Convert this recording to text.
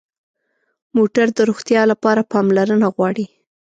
موټر د روغتیا لپاره پاملرنه غواړي.